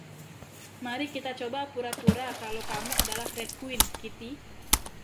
Mari kita coba pura-pura kalau kamu adalah Red Queen, Kitty!